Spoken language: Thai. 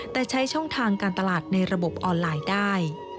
แต่ใช้ช่องทางการตลาดในระบบออนไลน์ได้